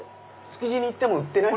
築地に行っても売ってない？